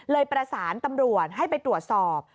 ประสานตำรวจให้ไปตรวจสอบ